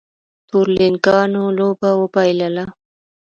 تورلېنګانو لوبه وبایلله